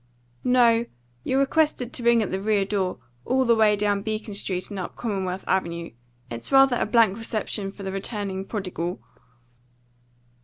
"No; you're requested to ring at the rear door, all the way down Beacon Street and up Commonwealth Avenue. It's rather a blank reception for the returning prodigal."